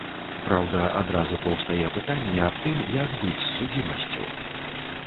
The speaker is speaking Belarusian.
Праўда, адразу паўстае пытанне аб тым, як быць з судзімасцю?